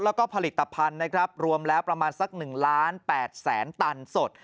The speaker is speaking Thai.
แล้วก็ผลิตภัณฑ์นะครับรวมแล้วประมาณสัก๑ล้าน๘แสนตันสด